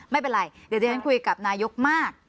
ไม่เป็นไรเดี๋ยวที่ฉันคุยกับนายกมาก